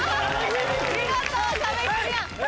見事壁クリア。